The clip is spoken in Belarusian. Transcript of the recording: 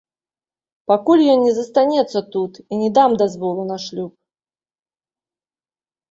Пакуль ён не застанецца тут, я не дам дазволу на шлюб!